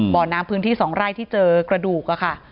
บ่อน้ำพื้นที่๒ไร่ที่เจอกระดูกค่ะ